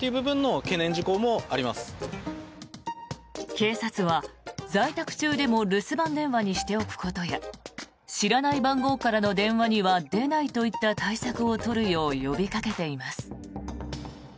警察は、在宅中でも留守番電話にしておくことや知らない番号からの電話には出ないといった対策を取るよう呼びかけています。